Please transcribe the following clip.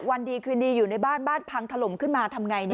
วันดีคืนดีอยู่ในบ้านบ้านพังถล่มขึ้นมาทำไง